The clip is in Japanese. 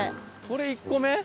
これ１個目？